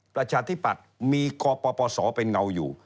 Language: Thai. ประชาธิปัตย์มีกปศเป็นเงาอยู่